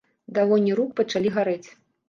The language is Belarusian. Далоні рук пачалі гарэць.